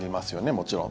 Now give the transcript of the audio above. もちろん。